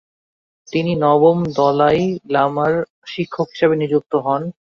তিনি নবম দলাই লামার শিক্ষক হিসেবে নিযুক্ত হন।